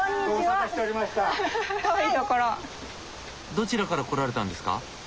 どちらから来られたんですか？